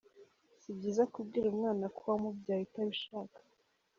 Si byiza kubwira umwana ko wamubyaye utabishaka